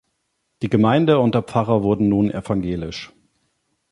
Die Gemeinde und der Pfarrer wurden nun evangelisch.